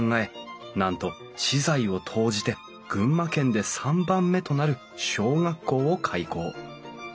なんと私財を投じて群馬県で３番目となる小学校を開校。